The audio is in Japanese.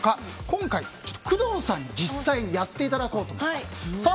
今回、工藤さんに実際やっていただこうと思います。